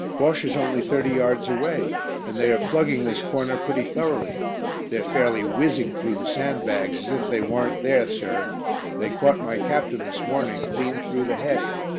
"Bosche is only thirty yards away, and they are plugging this corner pretty thoroughly; they're fairly whizzing through the sandbags, as if they warn't there, sir. They caught my Captain this morning, clean through the head.